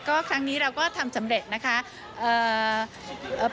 ก็ครั้งนี้เราก็ทำสำเร็จนะคะ